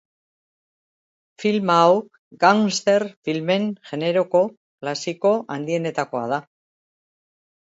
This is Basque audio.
Filma hau gangster filmen generoko klasiko handienetakoa da.